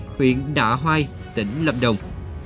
huyện đạ hoai tỉnh lâm đồng